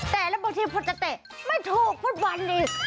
แตะและบางทีพวกเต๋ะไม่ถูกพูดบอลอีก